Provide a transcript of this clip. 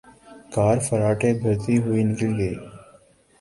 کار فراٹے بھرتی ہوئے نکل گئی